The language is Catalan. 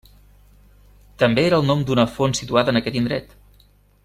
També era el nom d'una font situada en aquest indret.